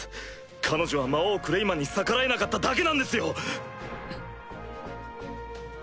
彼女は魔王クレイマンに逆らえなかっただけなんですよ！